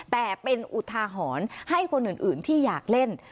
แต่เป็นอุทาหรณ์ให้คนอื่นที่อยากเล่น